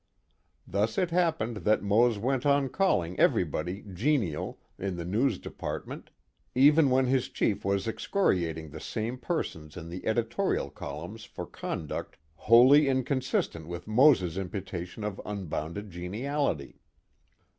Thus it happened that Mose went on calling everybody "genial" in the news department, even when his chief was excoriating the same persons in the editorial columns for conduct wholly inconsistent with Mose's imputation of unbounded geniality.